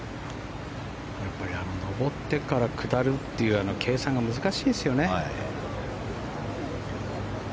やっぱり上ってから下るという計算が難しいですよね。